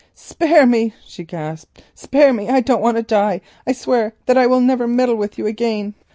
"Spare me," she gasped, "spare me, I don't want to die. I swear that I will never meddle with you again."